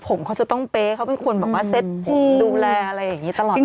ผมเขาจะต้องเป๊ะเขาเป็นคนบอกว่าเซ็ตดูแลอะไรอย่างนี้ตลอดไป